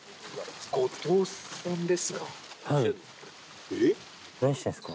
・後藤さんですか？